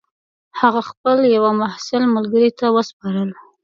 هغه خپل یوه محصل ملګري ته وسپارل.